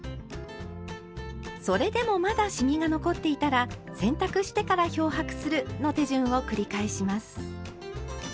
それでもまだシミが残っていたら「洗濯してから漂白する」の手順を繰り返します。